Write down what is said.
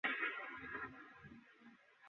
দ্রুত তীর বের করে ব্যান্ডেজ করা হয়।